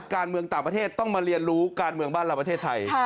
การเมืองต่างประเทศต้องมาเรียนรู้การเมืองบ้านเราประเทศไทย